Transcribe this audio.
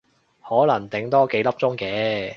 可能頂多幾粒鐘嘅